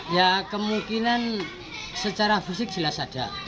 ya kemungkinan secara fisik jelas saja